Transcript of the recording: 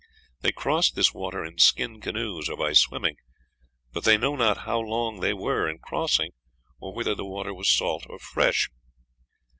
They crossed this water in skin canoes, or by swimming; but they know not how long they were in crossing, or whether the water was salt or fresh."